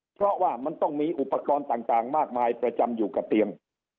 เพราะว่ามันต้องมีอุปกรณ์ต่างมากมายประจำอยู่กับเตียง